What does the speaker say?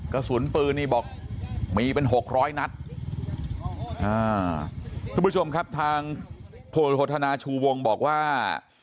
กระสุนปืนนี่บอกมีเป็นหกร้อยนัดอ่าทุกผู้ชมครับทางพลโทธนาชูวงบอกว่า